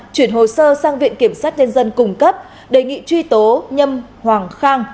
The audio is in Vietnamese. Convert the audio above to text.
chuyển hồ sơ sang viện kiểm sát nhân dân cung cấp đề nghị truy tố nhâm hoàng khang